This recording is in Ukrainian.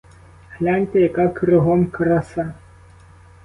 Гляньте, яка кругом краса.